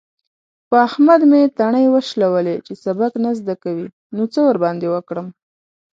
په احمد مې تڼۍ وشلولې. چې سبق نه زده کوي؛ نو څه ورباندې وکړم؟!